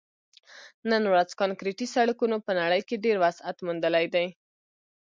نن ورځ کانکریټي سړکونو په نړۍ کې ډېر وسعت موندلی دی